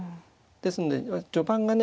ですので序盤がね